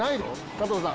加藤さん。